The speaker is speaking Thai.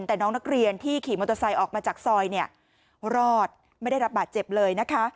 แต่น้องนักเรียนที่ขี่มอเตอร์ไซค์ออกมาจากซอยเนี่ยรอดไม่ได้รับบาดเจ็บเลยนะคะ